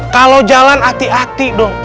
kalau jalan hati hati dong